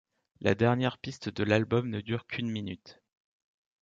La dernière piste de l'album ne dure qu'une minute.